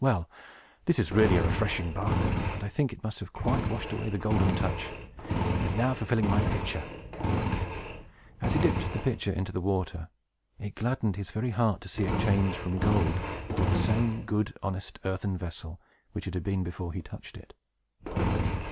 "Well; this is really a refreshing bath, and I think it must have quite washed away the Golden Touch. And now for filling my pitcher!" [Illustration: MIDAS WITH THE PITCHER] As he dipped the pitcher into the water, it gladdened his very heart to see it change from gold into the same good, honest earthen vessel which it had been before he touched it.